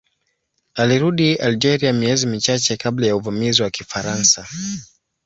Alirudi Algeria miezi michache kabla ya uvamizi wa Kifaransa.